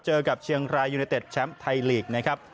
เจอกับเชียงรายยูเนตเต็ดแชมป์ไทยลีก